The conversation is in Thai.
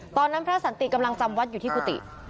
ตอนนั้นพระสันติกำลังจำวัดอยู่ที่กุฏิ